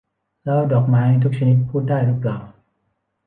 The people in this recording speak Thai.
แล้วดอกไม้ทุกชนิดพูดได้หรือเปล่า ?